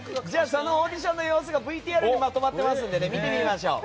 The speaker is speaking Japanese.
そのオーディションの様子がＶＴＲにまとまっていますので見てみましょう。